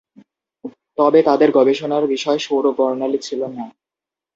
তবে তাঁদের গবেষণার বিষয় সৌর বর্ণালি ছিল না।